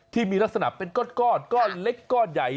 ที่มีลักษณะเป็นก้อนก้อนเล็กก้อนใหญ่